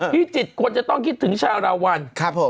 พิจิตรควรจะต้องคิดถึงชาราวัล